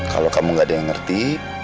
kalau kamu gak ada yang ngerti